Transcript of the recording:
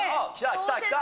きた、きた。